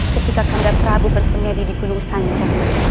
ketika kandang prabu bersemedi di gunung sanca